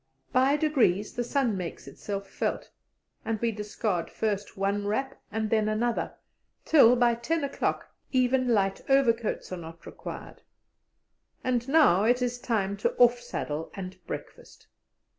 By degrees the sun makes itself felt, and we discard first one wrap and then another, till by ten o'clock even light overcoats are not required. And now it is time to "off saddle" and breakfast.